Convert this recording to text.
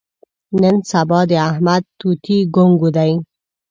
نن سبا د احمد توتي ګونګ دی.